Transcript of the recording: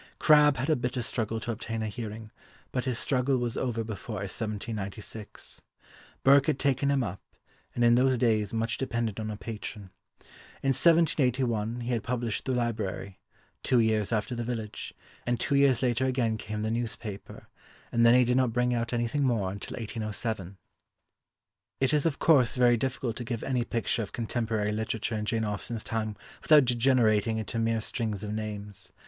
Crabbe had a bitter struggle to obtain a hearing, but his struggle was over before 1796. Burke had taken him up, and in those days much depended on a patron. In 1781 he had published The Library, two years after The Village, and two years later again came The Newspaper, and then he did not bring out anything more until 1807. It is, of course, very difficult to give any picture of contemporary literature in Jane Austen's time without degenerating into mere strings of names.